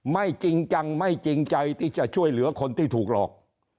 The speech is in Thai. ไม่จริงจังไม่จริงใจที่จะช่วยเหลือคนที่ถูกหลอก